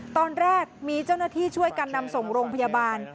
ตอนแรกมีเจ้าหน้าที่ช่วยกันนำส่งโรงพยาบาล